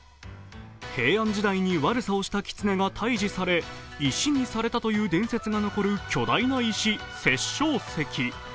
平安時代に悪さをしたきつねが退治され石にされたという伝説が残る巨大な石、殺生石。